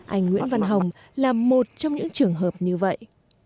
anh nguyễn văn hồng là một trong những trường hợp như vậy